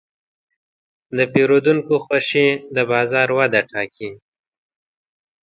د پیرودونکو خوښي د بازار وده ټاکي.